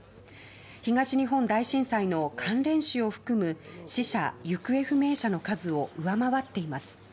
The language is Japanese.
東日本大震災の関連死を含む死者・行方不明者の数を上回っています。